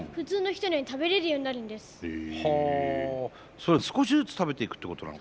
それは少しずつ食べていくっていうことなの？